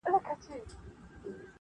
دې غونډي ته یوه جاهل -